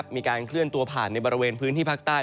มีการเคลื่อนตัวผ่านในบริเวณพื้นที่ภาคใต้